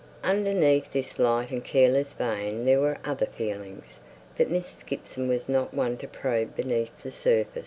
Underneath this light and careless vein there were other feelings; but Mrs. Gibson was not one to probe beneath the surface.